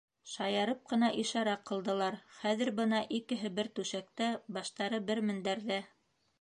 Шаярып ҡына ишара ҡылдылар - хәҙер бына икеһе бер түшәктә, баштары - бер мендәрҙә.